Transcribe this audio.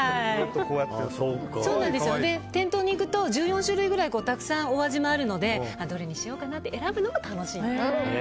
店頭に行くと１４種類ぐらいたくさんお味もあるのでどれにしようかなって選ぶのも楽しいなと。